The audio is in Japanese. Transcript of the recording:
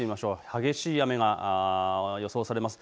激しい雨が予想されます。